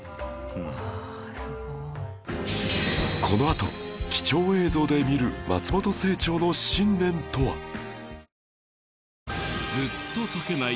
このあと貴重映像で見る松本清張の信念とは？